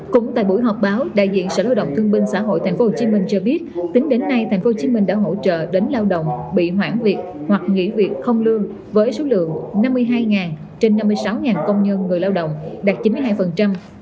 cũng tại buổi họp báo đại diện sở lao động thương binh xã hội tp hcm cho biết tính đến nay tp hcm đã hỗ trợ đến lao động bị hoãn việc hoặc nghỉ việc không lương với số lượng năm mươi hai trên năm mươi sáu công nhân người lao động đạt chín mươi hai